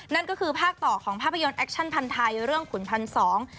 นั่นก็คือภาคต่อของภาพยนตร์แอคชั่นพันธ์ไทยเรื่องขุนพันสอง